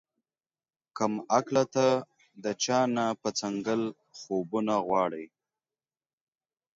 کم عقله تۀ د چا نه پۀ څنګل خوبونه غواړې